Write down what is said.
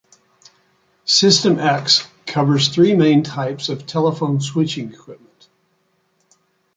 System X covers three main types of telephone switching equipment.